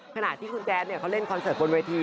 ขณะที่คุณแจ๊ดเขาเล่นคอนเสิร์ตบนเวที